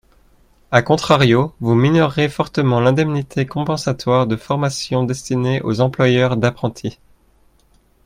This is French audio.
A contrario, vous minorez fortement l’indemnité compensatoire de formation destinée aux employeurs d’apprentis.